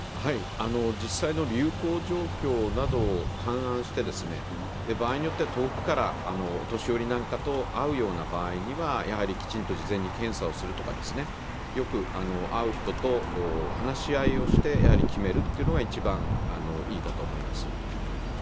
実際の流行状況などを勘案して、場合によっては遠くからお年寄りなんかと会う場合にはやはりきちんと事前に検査をするとか、よく会う人と話し合いをして決めるというのが一番いいかと思います。